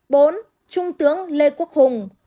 bốn trung tướng lê quốc hùng